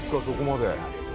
そこまで。